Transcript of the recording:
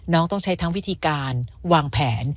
ต้องใช้ทั้งวิธีการวางแผน